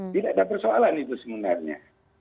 tidak ada persoalan itu sebenarnya